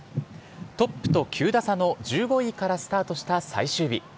トップと９打差の１５位からスタートした最終日。